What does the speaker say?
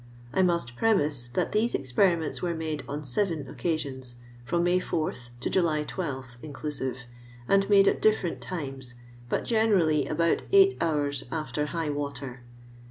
I must premise that these experiments were made on seven occasions, from May 4 to July 12 inclusive, and made at different times, but generally about eight houn after high water.